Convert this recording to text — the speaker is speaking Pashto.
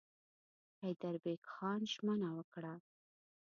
حیدربېګ خان ژمنه وکړه.